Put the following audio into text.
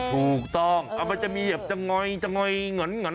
เป็นวัฒนศักดิ์ชีวิตของดวงของสัตว์ของมะเร็ง